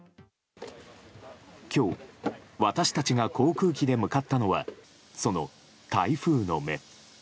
今日私たちが航空機で向かったのはその台風の目。